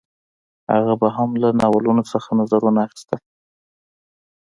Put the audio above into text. هغه به هم له ناولونو څخه نظرونه اخیستل